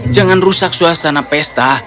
jangan rusak suasana pesta